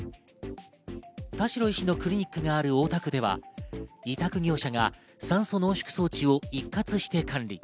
田代医師のクリニックがある大田区では、委託業者が酸素濃縮装置を一括して管理。